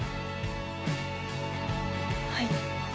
はい。